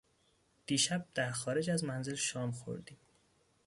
دیشب در خارج از منزل شام خوردیم.